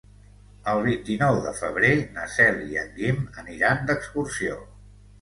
El vint-i-nou de febrer na Cel i en Guim aniran d'excursió.